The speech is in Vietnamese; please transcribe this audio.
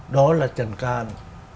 đó là trần can